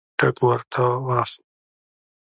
ټګ ورته واخله.